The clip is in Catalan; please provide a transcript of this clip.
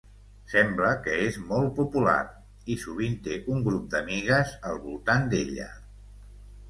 Sembla que és molt popular, i sovint té un grup d'amigues al voltant d'ella.